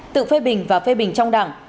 tự phê bình và phê bình trong đảng